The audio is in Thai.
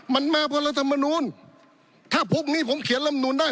มันมาเพราะรัฐมนูลถ้าพวกนี้ผมเขียนลำนูนได้